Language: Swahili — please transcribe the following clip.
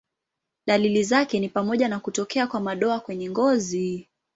Dalili zake ni pamoja na kutokea kwa madoa kwenye ngozi.